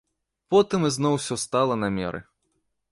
Потым ізноў усё стала на меры.